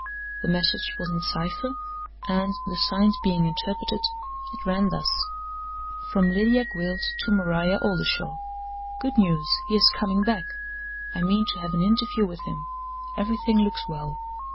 The message was in cipher, and, the signs being interpreted, it ran thus: "From Lydia Gwilt to Maria Oldershaw. Good news! He is coming back. I mean to have an interview with him. Everything looks well.